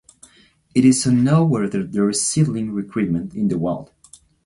It is unknown whether there is seedling recruitment in the wild.